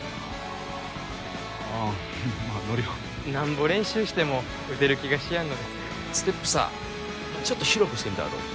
ああうんまあ乗るよなんぼ練習しても打てる気がしやんのですがステップさちょっと広くしてみたらどう？